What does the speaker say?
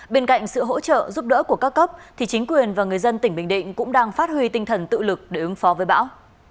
bên cạnh sự hỗ trợ giúp đỡ của các cấp thì chính quyền và người dân tỉnh bình định cũng đang phát huy tinh thần tự lực để ứng phó với bão